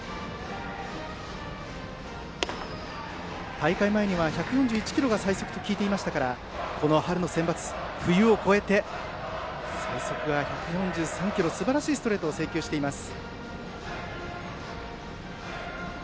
大会前には１４１キロが最速と聞いていましたからこの春のセンバツ、冬を越えて最速が１４３キロとすばらしいストレートを制球しています。